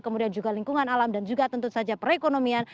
kemudian juga lingkungan alam dan juga tentu saja perekonomian